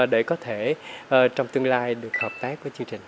để có thể trong tương lai được hợp tác với chương trình